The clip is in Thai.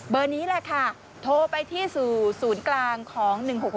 เบอร์นี้แหละค่ะโทรไปที่ศูนย์กลางของ๑๖๖๙